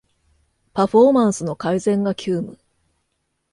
パフォーマンスの改善が急務